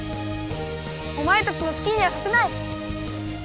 おまえたちのすきにはさせない！